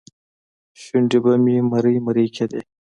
شونډې به مې مرۍ مرۍ کېدې.